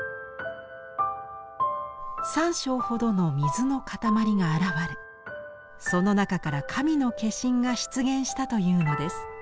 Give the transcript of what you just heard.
三升ほどの水の塊が現れその中から神の化身が出現したというのです。